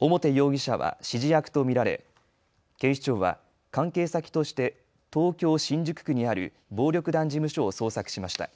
表容疑者は指示役と見られ警視庁は関係先として東京新宿区にある暴力団事務所を捜索しました。